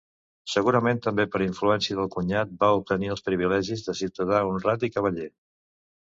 Segurament també per influència del cunyat va obtenir els privilegis de ciutadà honrat i cavaller.